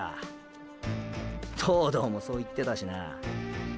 東堂もそう言ってたしな。